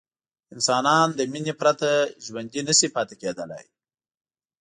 انسانان له مینې پرته ژوندي نه شي پاتې کېدلی.